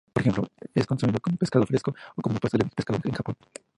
Por ejemplo, es consumido como pescado fresco o como pasteles de pescado en Japón.